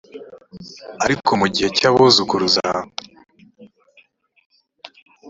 ariko mu gihe cy’abuzukuruza